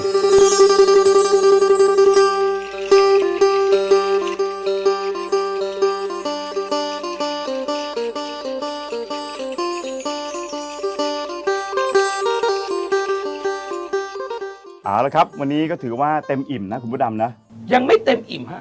เอาละครับวันนี้ก็ถือว่าเต็มอิ่มนะคุณพระดำนะยังไม่เต็มอิ่มฮะ